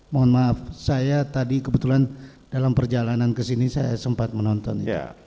mohon maaf saya tadi kebetulan dalam perjalanan kesini saya sempat menonton itu